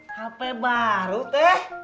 hp baru teh